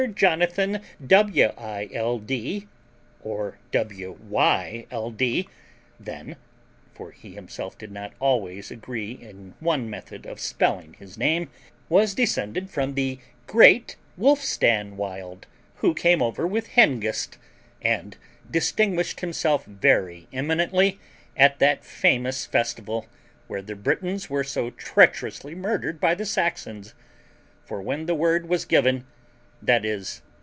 Jonathan Wild, or Wyld, then (for he himself did not always agree in one method of spelling his name), was descended from the great Wolfstan Wild, who came over with Hengist, and distinguished himself very eminently at that famous festival, where the Britons were so treacherously murdered by the Saxons; for when the word was given, i.e.